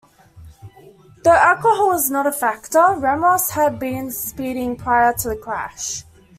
Though alcohol was not a factor, Ramos had been speeding prior to the crash.